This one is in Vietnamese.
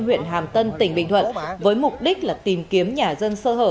huyện hàm tân tỉnh bình thuận với mục đích là tìm kiếm nhà dân sơ hở